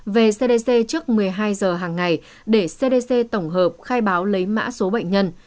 về cdc trước một mươi hai giờ hàng ngày để cdc tổng hợp khai báo lấy mã số bệnh nhân